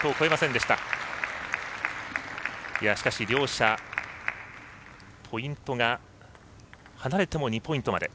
しかし、両者ポイントが離れても２ポイントまで。